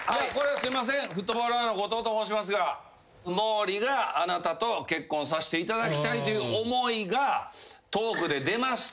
すいませんフットボールアワーの後藤と申しますが毛利があなたと結婚させていただきたいという思いがトークで出まして。